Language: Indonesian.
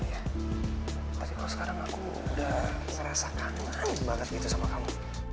tapi kalau sekarang aku udah ngerasa kangen banget gitu sama kamu